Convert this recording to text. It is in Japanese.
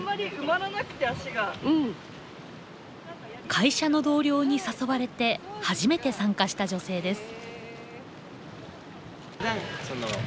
会社の同僚に誘われて初めて参加した女性です。